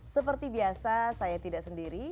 seperti biasa saya tidak sendiri